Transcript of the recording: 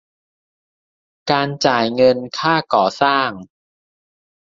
การจ่ายเงินค่าก่อสร้าง